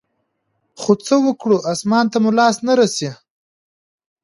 خو څه وكړو اسمان ته مو لاس نه رسي.